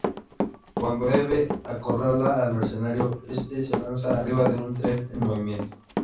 Cuando Eve acorrala al mercenario, este se lanza arriba de un tren en movimiento.